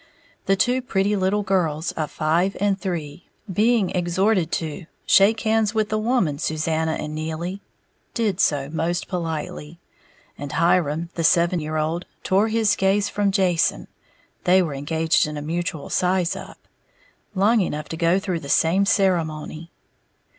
The two pretty little girls of five and three, being exhorted to "shake hands with the woman, Susanna and Neely," did so most politely; and Hiram, the seven year old, tore his gaze from Jason (they were engaged in a mutual size up) long enough to go through the same ceremony.